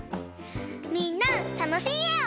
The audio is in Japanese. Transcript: みんなたのしいえを。